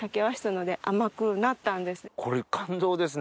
これ感動ですね